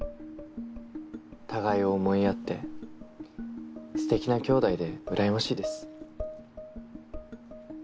互いを思い合ってステキな姉弟でうらやましいです。